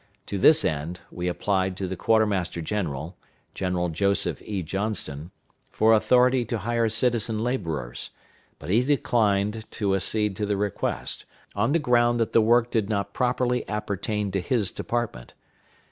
To this end we applied to the Quartermaster general (General Joseph E. Johnston) for authority to hire citizen laborers; but he declined to accede to the request, on the ground that the work did not properly appertain to his department.